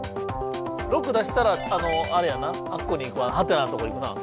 ６出したらあのあれやなあっこに行く「？」のとこ行くなぁ。